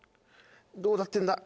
どうなってんだ？